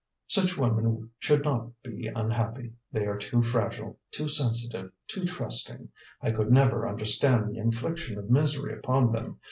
"Such women should not be unhappy; they are too fragile, too sensitive, too trusting. I could never understand the infliction of misery upon them.